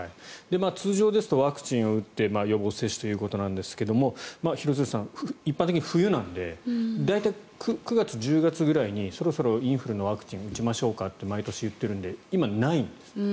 通常ですとワクチンを打って予防接種ということなんですが廣津留さん、一般的に冬なので大体９月、１０月ぐらいにそろそろインフルのワクチンを打ちましょうかと毎年言ってるので今、ないんです。